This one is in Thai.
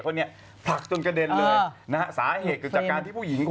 นางมาเลย